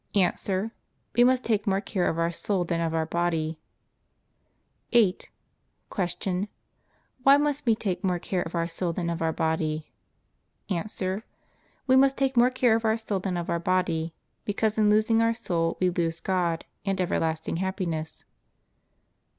A. We must take more care of our soul than of our body. 8. Q. Why must we take more care of our soul than of our body? A. We must take more care of our soul than of our body, because in losing our soul we lose God and everlasting happiness.